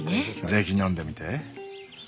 ぜひ飲んでみて。